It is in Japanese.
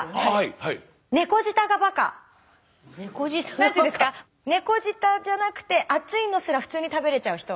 何て言うんですか猫舌じゃなくて熱いのすら普通に食べれちゃう人。